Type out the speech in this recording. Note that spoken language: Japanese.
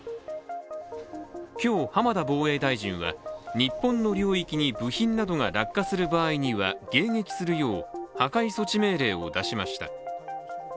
今日、浜田防衛大臣は日本の領域に部品などが落下する場合には迎撃するよう、破壊措置命令を出しました。